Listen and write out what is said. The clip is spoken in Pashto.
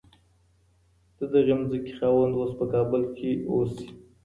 د دغې مځکي خاوند اوس په کابل کي اوسي.